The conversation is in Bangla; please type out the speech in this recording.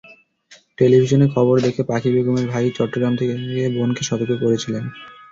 টেলিভিশনে খবর দেখে পাখি বেগমের ভাই চট্টগ্রাম থেকে বোনকে সতর্ক করেছিলেন।